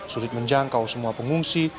sulit menjangkau semua pengungsi